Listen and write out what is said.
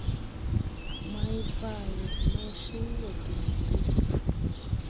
Maybaa wɔ de maychin wo geeré.